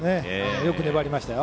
よく粘りましたよ。